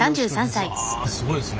いやすごいですね。